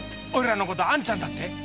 おいらのことを「あんちゃん」だと？